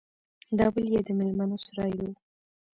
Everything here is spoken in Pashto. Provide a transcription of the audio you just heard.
دا بل يې د ميلمنو سراى و.